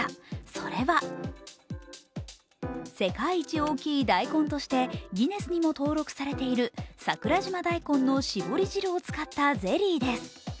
それは世界一大きい大根としてギネスにも登録されている桜島大根の絞り汁を使ったゼリーです。